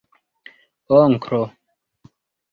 onklo